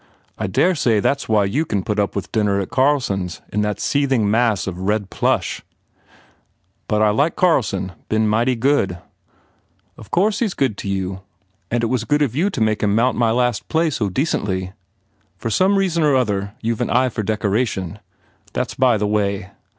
I dare say that s why you can put up with dinner at Carl son s in that seething mass of red plush." "But I like Mr. Carlson. Been mighty good " "Of course he s good to you. And it was good of you to make him mount my last act so 27 THE FAIR REWARDS decently. ... For some reason or other you ve an eye for decoration. That s by the way.